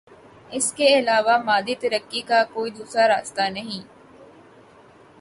اس کے علاوہ مادی ترقی کا کوئی دوسرا راستہ نہیں ہے۔